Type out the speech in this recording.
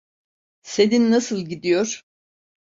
Senin nasıl gidiyor?